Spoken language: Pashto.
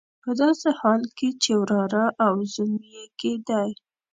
په داسې حال کې چې وراره او زوم یې کېدی.